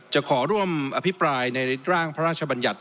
จะขอร่วมอภิปรายในร่างพระราชบัญญัติ